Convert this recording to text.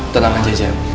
tenang aja jam